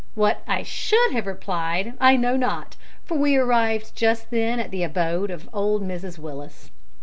What I should have replied I know not, for we arrived just then at the abode of old Mrs Willis.